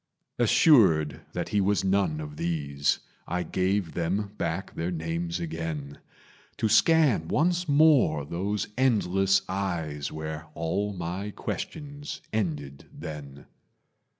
Assured that he was none of these, I gave them back their names again, To scan once more those endless eyes Where all my questions ended then.